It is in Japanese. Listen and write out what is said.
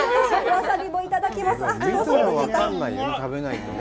ワサビもいただきます。